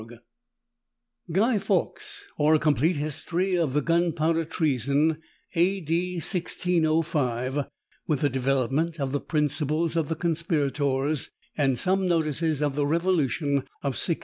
GUY FAWKES; OR, A COMPLETE HISTORY OF THE GUNPOWDER TREASON, A.D. 1605; WITH A DEVELOPEMENT OF THE PRINCIPLES OF THE CONSPIRATORS, AND SOME NOTICES OF THE REVOLUTION OF 1688.